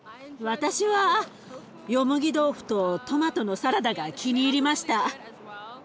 私はよもぎ豆腐とトマトのサラダが気に入りました。